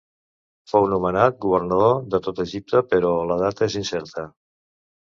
Fou nomenat governador de tot Egipte però la data és incerta.